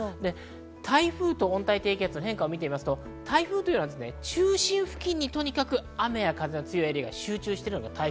台風と温帯低気圧の変化を見てみますと、台風は中心付近にとにかく雨や風が強いエリアが集中しています。